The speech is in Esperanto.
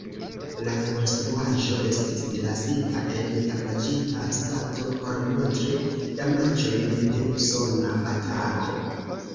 La konstruaĵo estis lasita en damaĝita stato, por montri damaĝojn de usona atako.